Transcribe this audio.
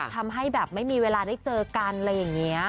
ทำให้แบบไม่มีเวลาได้เจอกันอะไรอย่างนี้